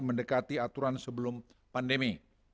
mendekati aturan sebelum pandemi